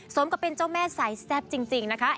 สมกับเป็นเจ้าแม่สายแซ่บจริงนะคะ